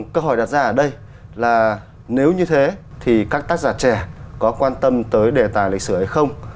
câu hỏi đặt ra ở đây là nếu như thế thì các tác giả trẻ có quan tâm tới đề tài lịch sử ấy không